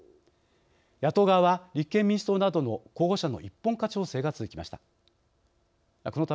野党側は立憲民主党などの候補者の一本化調整が続きました。